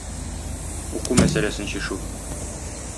Уку мәсьәләсен чишү.